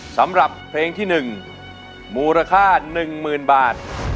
สำหรับเพลงที่๑มูลค่า๑๐๐๐บาท